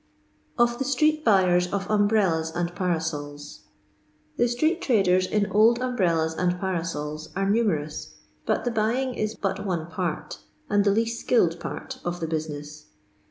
Or TBX Stbebt Butebs of Umbrellab AM) PiJUSOLS. I The street traders in old nmbrcllas and parasols are numerous, but the buying ia but one mtrt, and the least skilled part, of the business.